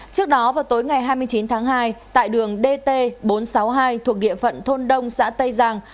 trước đó vào tối ngày hai mươi chín tháng hai tại đường dt bốn trăm sáu mươi hai thuộc địa phận thôn đông xã tây giang